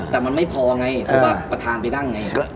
แต่มันไม่พอไงก็แบบประธานไปนั่งไง